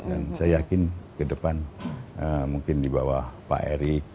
dan saya yakin ke depan mungkin dibawah pak eri